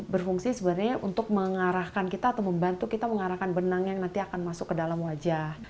berfungsi sebenarnya untuk mengarahkan kita atau membantu kita mengarahkan benang yang nanti akan masuk ke dalam wajah